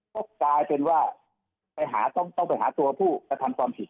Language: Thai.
ก็กลายเป็นว่าไปหาต้องไปหาตัวผู้กระทำความผิด